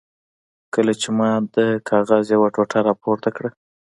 کله چې ما د کاغذ یوه ټوټه را پورته کړه.